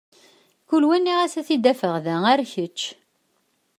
Kul wa nniɣ-as ad t-id-afeɣ da ar kečč.